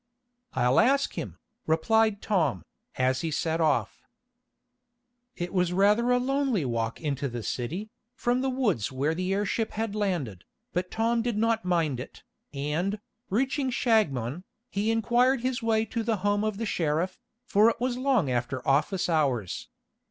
"I'll ask him," replied Tom, as he set off. It was rather a lonely walk into the city, from the woods where the airship had landed, but Tom did not mind it, and, reaching Shagmon, he inquired his way to the home of the sheriff, for it was long after office hours.